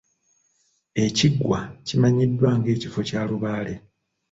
Ekiggwa kimanyiddwa ng'ekifo kya lubaale.